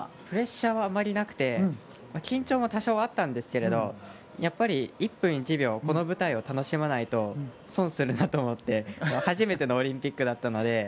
プレッシャーはあまりなくて緊張も多少あったんですけれどもやっぱり１分１秒この舞台を楽しまないと損するなと思っていて初めてのオリンピックだったので。